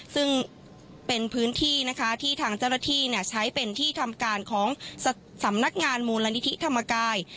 ซึ่งเป็นพื้นที่นะคะที่ทางเจ้าหน้าที่ใช้เป็นที่ทำการของสำนักงานมูลนิธิธรรมกาย